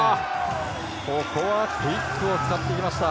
ここはクイックを使ってきました。